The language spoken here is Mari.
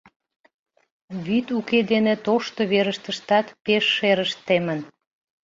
Вӱд уке дене тошто верыштыштат пеш шерышт темын.